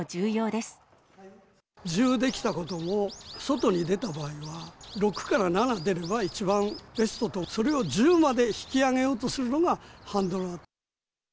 １０できたことも、外に出た場合は、６から７出れば一番ベストと、それを１０まで引き上げようとするのがハンドラー。